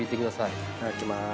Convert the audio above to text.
いただきまーす。